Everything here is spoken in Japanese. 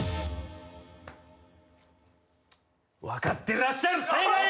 分かってらっしゃる正解です！